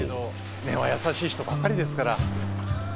根は優しい人ばっかりですから。